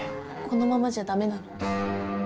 このままじゃダメなの？